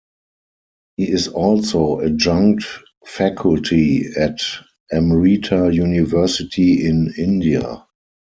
He is also adjunct faculty at Amrita University in India.